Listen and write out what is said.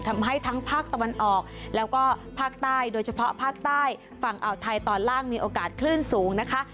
ทำให้ทั้งภาคตะวันออกแล้วก็ภาคใต้โดยเฉพาะภาคใต้ฝั่งอ่าวไทยตอนล่างมีโอกาสคลื่นสูงนะคะ